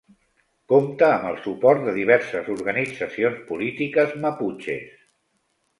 Compta amb el suport de diverses organitzacions polítiques maputxes.